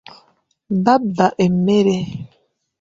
Babba emmere.